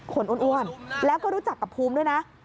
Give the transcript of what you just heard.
อ้วนแล้วก็รู้จักกับภูมิด้วยนะ